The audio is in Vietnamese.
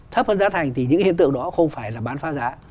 thấp hơn giá thành thì những hiện tượng đó không phải là bán phá giá